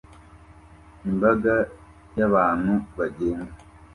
imbaga y'abantu bagenda